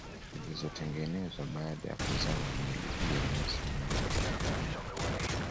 zilizotengenezwa baada ya kuzama meli hiyo mwezi mmoja baada